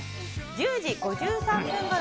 １０時５３分ごろ